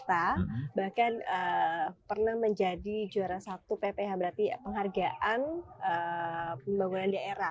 karena berbicara by data bahkan pernah menjadi juara satu pph berarti penghargaan pembangunan daerah